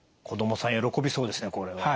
子どもさん喜びそうですねこれは。